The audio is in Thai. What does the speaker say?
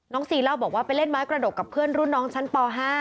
ซีเล่าบอกว่าไปเล่นไม้กระดกกับเพื่อนรุ่นน้องชั้นป๕